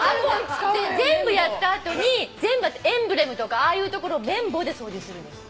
全部やった後にエンブレムとかああいう所を綿棒で掃除するんです。